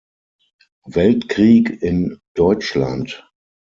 Weltkrieg in Deutschland.